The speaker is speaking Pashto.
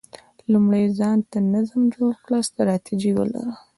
لومړی ځان ته نظم جوړ کړه، ستراتیژي ولره،